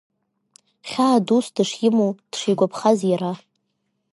Хьаа дус дышимоу, дшигәаԥхаз иара.